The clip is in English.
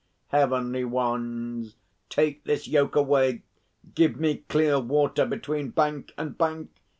Heavenly Ones, take this yoke away! Give me clear water between bank and bank!